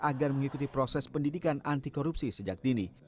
agar mengikuti proses pendidikan anti korupsi sejak dini